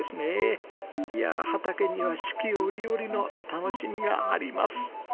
いやあ畑には四季折々の楽しみがあります。